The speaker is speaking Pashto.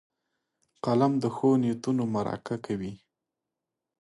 قلم د ښو نیتونو مرکه کوي